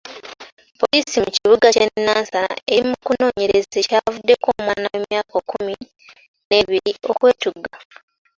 Poliisi mu kibuga ky'e Nansana eri mu kunoonyereza ekyavuddeko omwana emyaka ekkumi n'ebiri okwetuga.